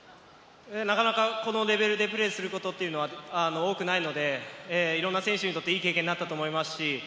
このレベルでプレーすることは多くないので、いろいろな選手にとって、いい経験になったと思います。